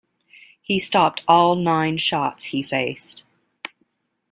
He stopped all nine shots he faced.